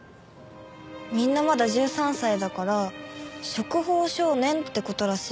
みんなまだ１３歳だから触法少年って事らしい。